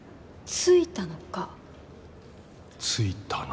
「着いたのか？」。